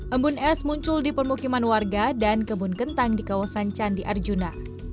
embun es muncul di permukiman warga dan kebun kentang di kawasan candi arjuna